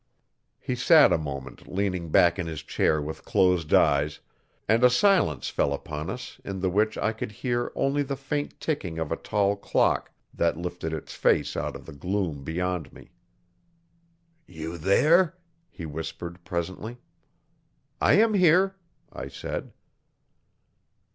He sat a moment leaning back in his chair with closed eyes, and a silence fell upon us in the which I could hear only the faint ticking of a tall clock that lifted its face out of the gloom beyond me. 'You there?' he whispered presently. 'I am here,' I said.